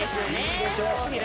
いいでしょう。